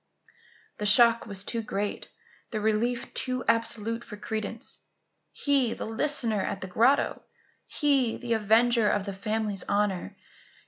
The shock was too great, the relief too absolute for credence. He, the listener at the grotto? He, the avenger of the family's honour?